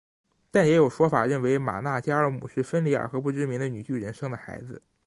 但也有说法认为玛纳加尔姆是芬里尔和不知名的女巨人生的孩子。